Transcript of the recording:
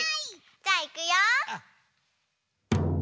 じゃあいくよ。